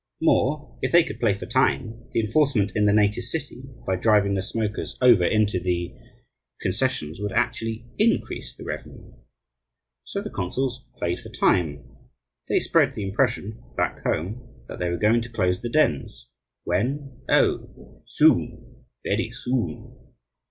More, if they could play for time, the enforcement in the native city, by driving the smokers over into the concessions, would actually increase the revenue. So the consuls played for time. They spread the impression "back home" that they were going to close the dens. When? Oh, soon very soon.